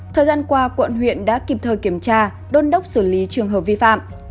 thời gian qua quận huyện đã kịp thời kiểm tra đôn đốc xử lý trường hợp vi phạm